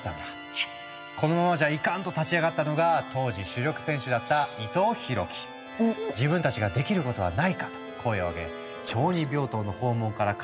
「このままじゃイカン！」と立ち上がったのが当時主力選手だった「自分たちができることはないか」と声を上げ小児病棟の訪問から河原のゴミ拾い